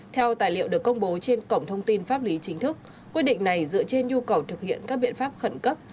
theo tài liệu được công bố trên cổng thông tin pháp lý chính thức quyết định này dựa trên nhu cầu thực hiện các biện pháp khẩn cấp